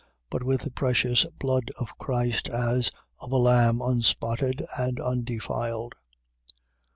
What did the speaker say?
But with the precious blood of Christ, as of a lamb unspotted and undefiled 1:20.